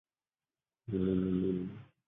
他在各地建设回民小学和伊斯兰教学校。